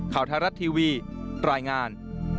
ข่าวไทยรัฐทีวีรายงาน